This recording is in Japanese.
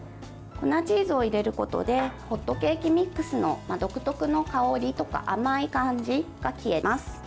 粉チーズを入れることでホットケーキミックス独特の香りとか甘い感じが消えます。